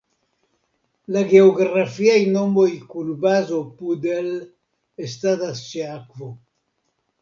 La geografiaj nomoj kun bazo Pudel estadas ĉe akvo.